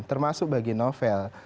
termasuk bagi novel